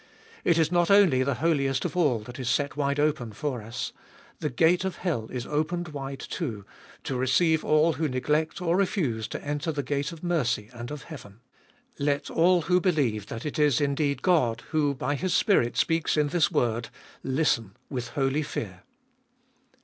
It is not only the Holiest of All that is set wide open for us ; the gate of hell is opened wide, too, to receive all who neglect or refuse to enter the gate of mercy and of heaven. Let all who believe that it is indeed God who, by His Spirit speaks in this word, listen with holy fear.